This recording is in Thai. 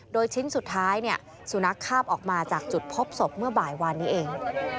โดยชิ้นสุดท้ายสุนัขคาบออกมาจากจุดพบศพเมื่อบ่ายวานนี้เอง